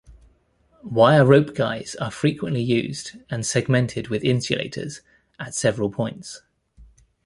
Wire rope guys are frequently used and segmented with insulators at several points.